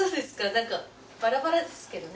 なんかバラバラですけどね。